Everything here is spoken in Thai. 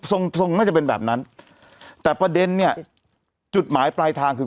ทรงทรงน่าจะเป็นแบบนั้นแต่ประเด็นเนี่ยจุดหมายปลายทางคือ